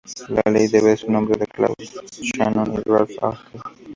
La ley debe su nombre a Claude Shannon y Ralph Hartley.